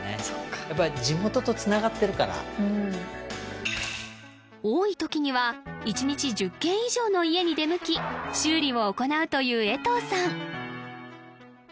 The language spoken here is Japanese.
そっかやっぱり地元とつながってるからうん多いときには１日１０件以上の家に出向き修理を行うという江藤さん